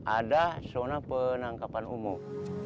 ada zona penangkapan umum